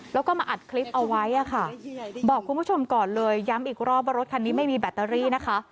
แล้วก็มาอัดคลิปเอาไว้ค่ะบอกคุณผู้ชมก่อนเลยย้ำอีกรอบว่ารถคันนี้ไม่มีแบตเตอรี่นะคะ